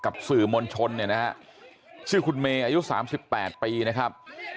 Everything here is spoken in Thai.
กับสื่อมวลชนเนี่ยนะฮะชื่อคุณเมย์อายุ๓๘ปีนะครับ